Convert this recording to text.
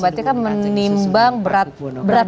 berarti kan menimbang berat